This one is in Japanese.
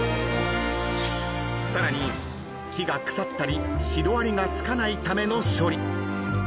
［さらに木が腐ったりシロアリがつかないための処理］